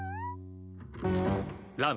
ラム。